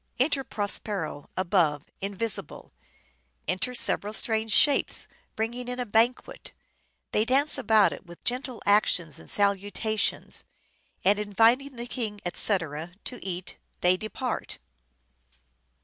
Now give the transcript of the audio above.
" Enter Prospero, above, invisible. Enter several strange Shapes, bringing in a banquet ; they dance about it with gentle actions and salutations ; and, inviting the king, etc., to eat, they depart."